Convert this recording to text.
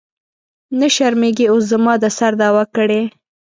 نه شرمېږې اوس زما د سر دعوه کړې.